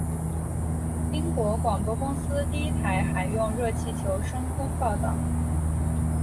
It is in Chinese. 英国广播公司第一台还用热气球升空报导。